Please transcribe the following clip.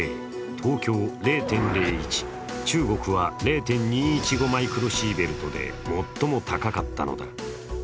東京０．０１、中国は０．２１５マイクロシーベルトで最も高かったのだ。